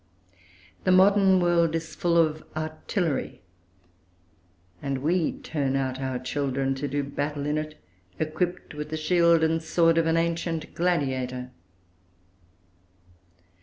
The modern world is full of artillery; and we turn out our children to do battle in it, equipped with the shield and sword of an ancient gladiator.